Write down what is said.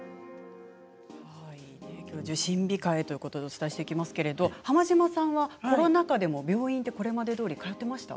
きょうは受診控えをお伝えしていきますが浜島さんはコロナ禍でも病院にこれまでどおり通っていましたか。